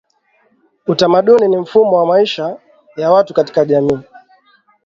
Utamaduni ni mfumo wa maisha ya watu katika jamii